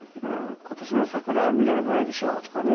「今年の桜は見られないでしょう」とかね